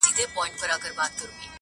تاته د وامق او د عذراغوغا یادیږي